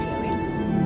terima kasih bu